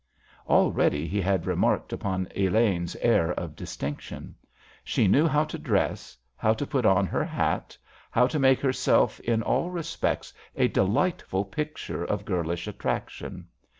Already he had remarked upon Elaine's air of distinction. She knew how to dress, how to put on her hat, how to make herself in all respects a delightful picture of girlish attraction.